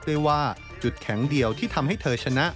ด้วยว่าจุดแข็งเดียวที่ทำให้เธอชนะ